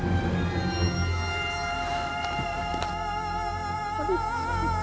jangan bunuh aku